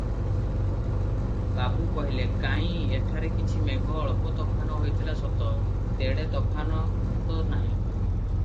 ବାବୁ କହିଲେ, "କାହିଁ, ଏଠାରେ କିଛି ମେଘ ଅଳ୍ପ ତୋଫାନ ହୋଇଥିଲା ସତ, ତେଡ଼େ ତୋଫାନ ତ ନାହିଁ?"